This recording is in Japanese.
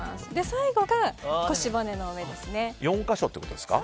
最後が腰骨の上ですね。